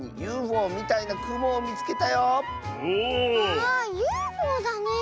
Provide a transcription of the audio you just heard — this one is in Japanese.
あＵＦＯだねえ。